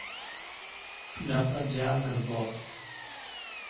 Shunaqa janr bor!